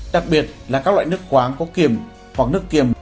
đặc biệt là các loại nước khoáng có kiềm hoặc nước kiềm